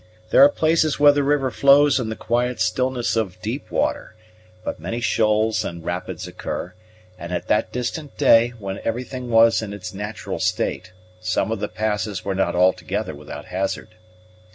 There are places where the river flows in the quiet stillness of deep water, but many shoals and rapids occur; and at that distant day, when everything was in its natural state, some of the passes were not altogether without hazard.